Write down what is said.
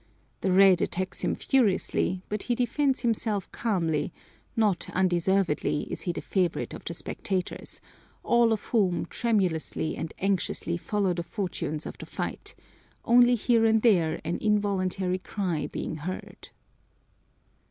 The red attacks him furiously, but he defends himself calmly not undeservedly is he the favorite of the spectators, all of whom tremulously and anxiously follow the fortunes of the fight, only here and there an involuntary cry being heard.